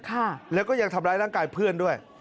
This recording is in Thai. ค่ะแล้วก็ยังทำร้ายร่างกายเพื่อนด้วย